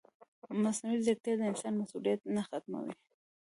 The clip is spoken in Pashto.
مصنوعي ځیرکتیا د انسان مسؤلیت نه ختموي.